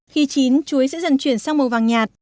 khi chín chuối sẽ dần chuyển sang màu vàng nhạt